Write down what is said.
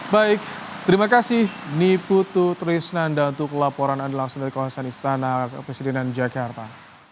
baik terima kasih niputu trisnanda untuk laporan anda langsung dari kawasan istana kepresidenan jakarta